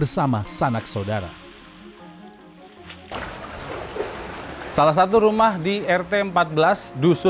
salah satunya adalah milik rus joyo